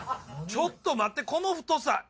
ちょっと待ってこの太さ！